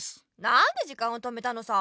なんで時間を止めたのさ？